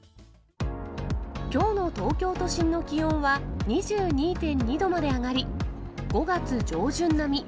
きょうの東京都心の気温は、２２．２度まで上がり、５月上旬並み。